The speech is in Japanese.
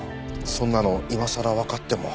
そんなの今さらわかっても。